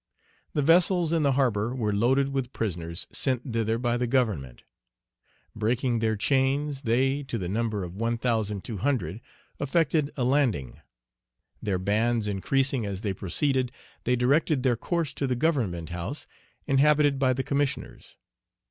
The vessels in the harbor were loaded with prisoners sent thither by the Government. Breaking their chains, they, to the number of one thousand two hundred, effected a landing. Their bands increasing as they proceeded, they directed their course to the Government House, inhabited by the Commissioners.